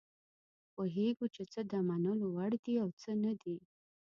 پوهیږو چې څه د منلو وړ دي او څه نه دي.